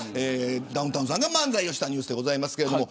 ダウンタウンさんが漫才をしたニュースでございますけれども。